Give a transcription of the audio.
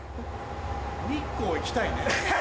日光行きたいね。